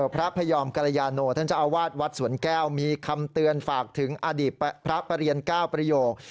พระพยอมกรยาโนท่านเจ้าอาวาสวัดสวนแก้วมีคำเตือนฝากถึงอดีตพระประเรียน๙ประโยค